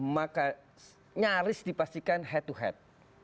maka nyaris dipastikan head to head